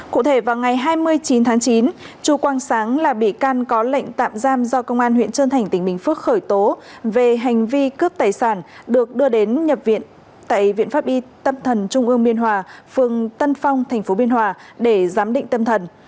cụ thể vào ngày hai mươi chín tháng chín chu quang sáng là bị can có lệnh tạm giam do công an huyện trơn thành tỉnh bình phước khởi tố về hành vi cướp tài sản được đưa đến nhập viện tại viện pháp y tâm thần trung ương biên hòa phường tân phong tp biên hòa để giám định tâm thần